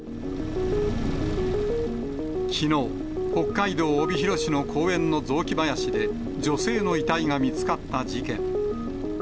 きのう、北海道帯広市の公園の雑木林で、女性の遺体が見つかった事件。